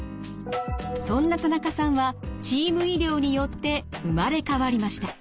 そんな田中さんはチーム医療によって生まれ変わりました。